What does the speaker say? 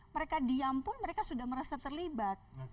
mereka diam pun mereka sudah merasa terlibat